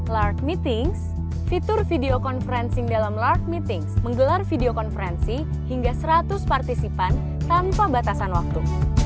lark meetings fitur video conferensi dalam lark meetings menggelar video konferensi hingga seratus partisipan tanpa batasan waktu